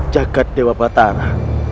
jagat dewa batara